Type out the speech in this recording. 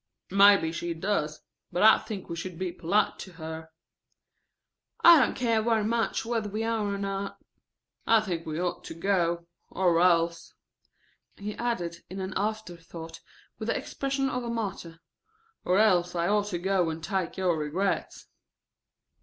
"Maybe she does, but I think we should be polite to her." "I don't care very much whether we are or not." "I think we ought to go. Or else," he added in an afterthought with the expression of a martyr, "or else I ought to go and take your regrets."